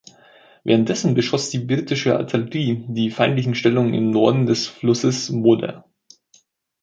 Währenddessen beschoss die britische Artillerie die feindlichen Stellungen im Norden des Flusses Modder.